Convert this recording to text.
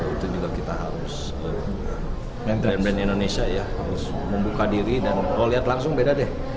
itu juga kita harus brand brand indonesia ya harus membuka diri dan melihat langsung beda deh